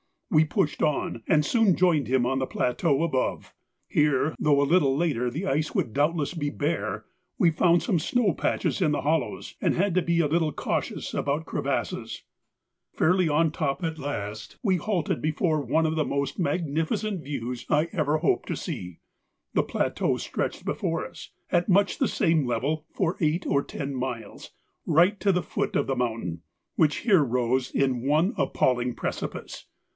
We pushed on, and soon joined him on the plateau above. Here, though a little later the ice would doubtless be bare, we found some snow patches in the hollows, and had to be a little cautious about crevasses. Fairly on the top at last, we halted before one of the most magnificent views I ever hope to see. The plateau stretched before us, at much the same level for eight or ten miles, right to the foot of the mountain, which here rose in one appalling precipice.